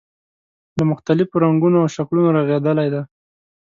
له مختلفو رنګونو او شکلونو رغېدلی دی.